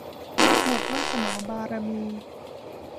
หมดวาสนาบารมี